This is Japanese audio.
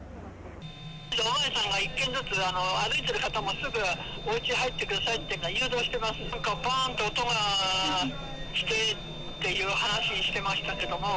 お巡りさんが一軒ずつ、歩いてる方もすぐおうち入ってくださいって、誘導して、ばーんと音がしてっていう話、してましたけども。